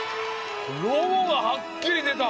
ロゴがはっきり出た！